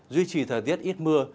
duy trì thời tiết ít mưa